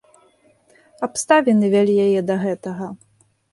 Абставіны вялі яе да гэтага.